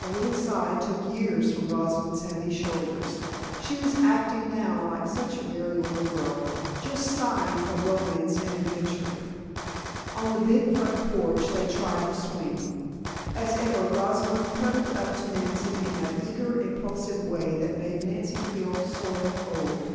A little sigh took years from Rosalind's heavy shoulders. She was acting now like such a very little girl, just sighing for romance and adventure. On the big front porch, they tried the swing. As ever Rosalind cuddled up to Nancy in that eager, impulsive way that made Nancy feel sort of old.